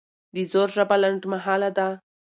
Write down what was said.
د زور ژبه لنډمهاله ده